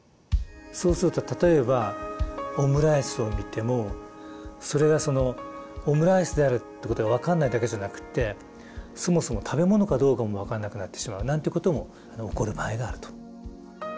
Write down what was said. そうすると例えばオムライスを見てもそれがそのオムライスであるってことが分かんないだけじゃなくてそもそも食べ物かどうかも分からなくなってしまうなんてことも起こる場合があると。